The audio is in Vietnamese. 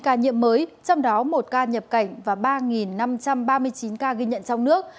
trong đó một ca nhập cảnh và ba năm trăm ba mươi chín ca ghi nhận trong nước